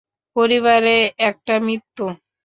পরিবারে একটা মৃত্যু।